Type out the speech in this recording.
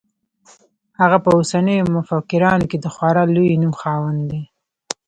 هغه په اوسنیو مفکرانو کې د خورا لوی نوم خاوند دی.